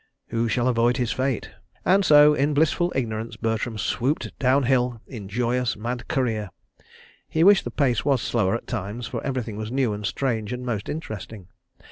Who shall avoid his fate? ... And so, in blissful ignorance, Bertram swooped down hill in joyous, mad career. He wished the pace were slower at times, for everything was new and strange and most interesting.